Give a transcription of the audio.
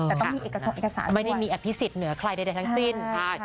แต่ต้องมีเอกสารไม่ได้มีอภิษฎเหนือใครใดทั้งสิ้นใช่